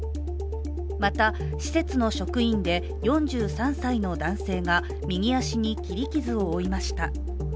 また施設の職員で４３歳の男性が、右足に切り傷を負いました。